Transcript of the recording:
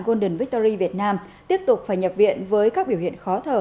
golden victory việt nam tiếp tục phải nhập viện với các biểu hiện khó thở